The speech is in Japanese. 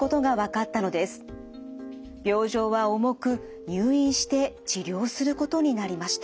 病状は重く入院して治療することになりました。